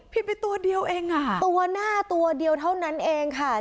ไปตัวเดียวเองอ่ะตัวหน้าตัวเดียวเท่านั้นเองค่ะ